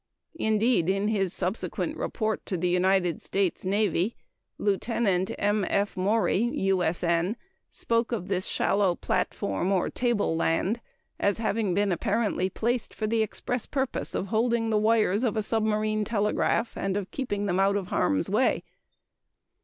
Indeed, in his subsequent report to the United States navy, Lieut. M. F. Maury, U.S.N., spoke of this "shallow platform or table land" as having been "apparently placed for the express purpose of holding the wires of a submarine telegraph and of keeping them out of harm's way."